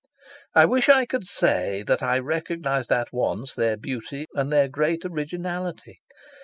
I wish I could say that I recognised at once their beauty and their great originality.